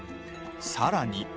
さらに。